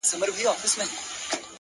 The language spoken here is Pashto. هره تجربه د عقل یو نوی رنګ دی’